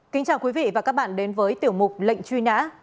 kính chào quý vị và các bạn đến với tiểu mục lệnh truy nã